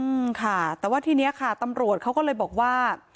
อืมค่ะแต่ว่าทีเนี้ยค่ะตำรวจเขาก็เลยบอกว่า